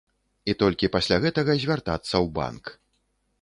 І толькі пасля гэтага звяртацца ў банк.